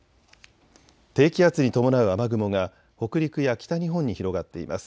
低気圧に伴う雨雲が北陸や北日本に広がっています。